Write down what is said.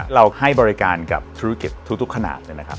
ให้บริการกับธุรกิจทุกขนาดเลยนะครับ